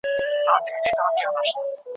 زده کوونکي څنګه د معلوماتو سمه کارونه کوي؟